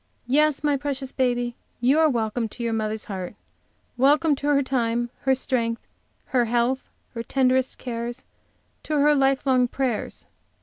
Yes, my precious baby, you are welcome to your mother's heart, welcome to her time, her strength, her health, her tenderest cares, to her life long prayers!